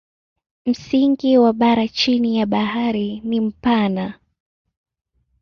Msingi wa bara chini ya bahari ni mpana.